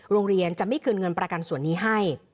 โรงเรียนจะไม่คืนเงินประกันส่วนนี้ให้